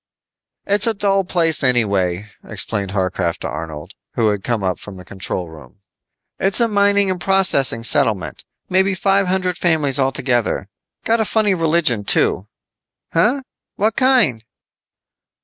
"It's a dull place anyway," explained Harcraft to Arnold, who had come up to the control room. "It's a mining and processing settlement. Maybe five hundred families altogether. Got a funny religion, too." "Huh, what kind?"